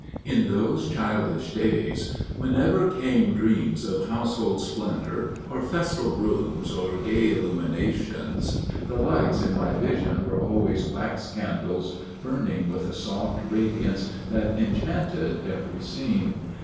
In those childish days, whenever came dreams Of household splendor or festal rooms or gay illuminations, the lights in my vision were always wax candles burning with a soft radiance that enchanted every scene....